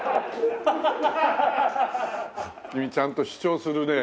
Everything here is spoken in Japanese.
君ちゃんと主張するね。